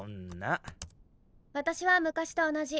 私は昔と同じ。